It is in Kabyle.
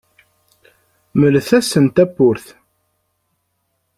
Mlet-asen tawwurt.